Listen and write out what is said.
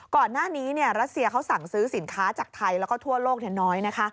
ก่อนหน้านี้รัสเซียเขาสั่งซื้อสินค้าจากไทยแล้วก็ทั่วโลกน้อยนะคะ